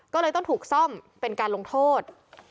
ก็เลยต้องถูกซ่อมเป็นการลงโทษ